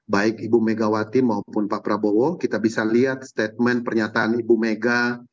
baik ibu megawati maupun pak prabowo kita bisa lihat statement pernyataan ibu mega